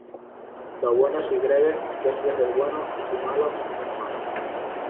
Lo bueno si breve, dos veces bueno y si malo, menos malo.